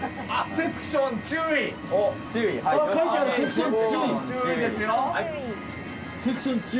「セクション注意」ですよ。